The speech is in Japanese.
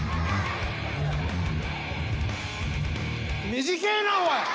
短えなおい。